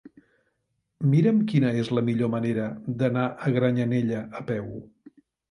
Mira'm quina és la millor manera d'anar a Granyanella a peu.